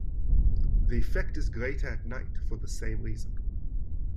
The effect is greater at night for the same reason.